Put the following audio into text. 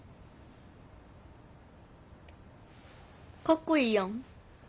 かっこいいやん。